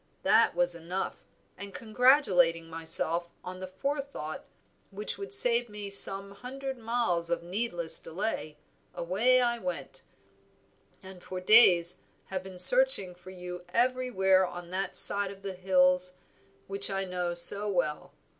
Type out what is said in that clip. That was enough, and congratulating myself on the forethought which would save me some hundred miles of needless delay, away I went, and for days have been searching for you every where on that side of these hills which I know so well.